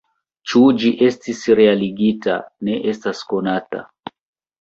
Ĉu ĝi estis realigita, ne estas konata.